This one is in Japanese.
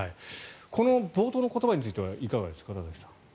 この冒頭の言葉についてはいかがですか、田崎さん。